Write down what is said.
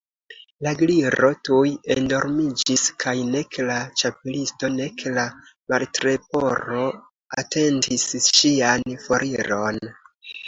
La Gliro tuj endormiĝis; kaj nek la Ĉapelisto nek la Martleporo atentis ŝian foriron.